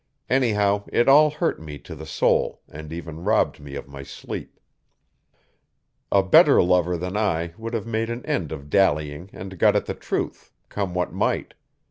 Anyhow it all hurt me to the soul and even robbed me of my sleep. A better lover than I would have made an end of dallying and got at the truth, come what might.